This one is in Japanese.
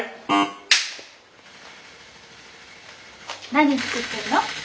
何作ってるの？